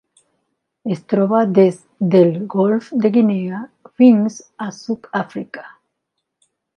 Es troba des del Golf de Guinea fins a Sud-àfrica.